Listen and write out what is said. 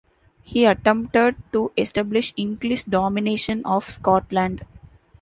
He attempted to establish English domination of Scotland.